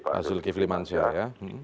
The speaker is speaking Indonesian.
pada keputusan pak tgb